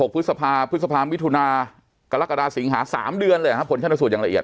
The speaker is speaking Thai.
พฤษภาพฤษภามิถุนากรกฎาสิงหา๓เดือนเลยครับผลชนสูตรอย่างละเอียด